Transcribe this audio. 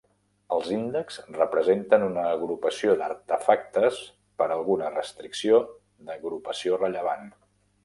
Els índexs representen una agrupació d'artefactes per alguna restricció d'agrupació rellevant.